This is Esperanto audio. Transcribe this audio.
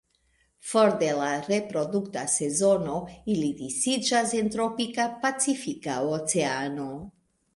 For de la reprodukta sezono ili disiĝas en tropika Pacifika Oceano.